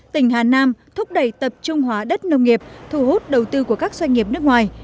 tỉnh hà nam thúc đẩy tập trung hóa đất nông nghiệp thu hút đầu tư của các doanh nghiệp nước ngoài